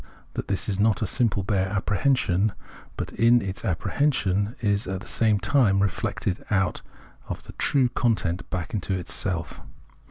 that this is not a simple bare apprehension, but in its apprehension is at the same time reflected out of the true content back into itself.